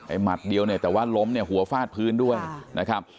หมัดเดียวเนี่ยแต่ว่าล้มเนี่ยหัวฟาดพื้นด้วยนะครับ